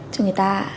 cho người ta